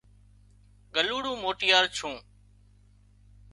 ڳلُوڙون موٽيار ڇُون